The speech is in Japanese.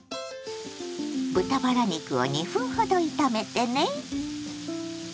豚バラ肉を２分ほど炒めてね。